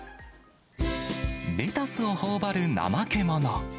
レタスをほおばるナマケモノ。